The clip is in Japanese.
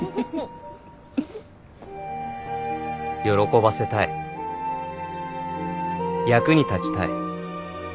喜ばせたい役に立ちたい